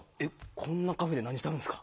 こんなカフェで何してはるんですか？